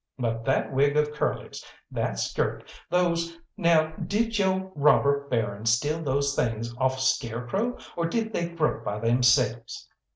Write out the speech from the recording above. But that wig of Curly's, that skirt, those now did yo' robber baron steal those things off a scarecrow, or did they grow by themselves?"